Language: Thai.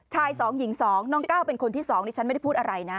๒หญิง๒น้องก้าวเป็นคนที่๒นี่ฉันไม่ได้พูดอะไรนะ